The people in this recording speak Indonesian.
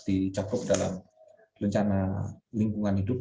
sudah dilakukan dalam rencana lingkungan hidup